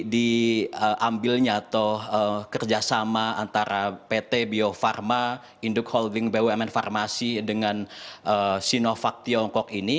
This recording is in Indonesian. diambilnya atau kerjasama antara pt bio farma induk holding bumn farmasi dengan sinovac tiongkok ini